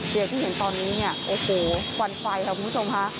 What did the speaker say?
เดี๋ยวที่เห็นตอนนี้โอ้โฮฟันไฟครับคุณผู้ชมฮะ